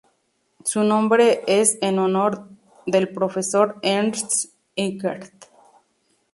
Su nombre es en honor del profesor Ernst R. G. Eckert.